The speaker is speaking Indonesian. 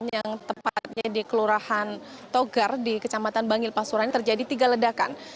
yang tepatnya di kelurahan togar di kecamatan bangil pasuruan terjadi tiga ledakan